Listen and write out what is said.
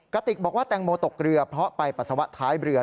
ติกบอกว่าแตงโมตกเรือเพราะไปปัสสาวะท้ายเรือ